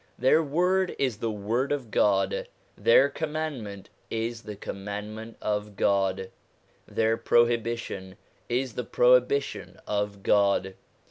Their word is the word of God, their commandment is the command ment of God, their prohibition is the prohibition of God.